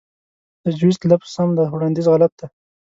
تجويز لفظ سم دے وړانديز غلط دے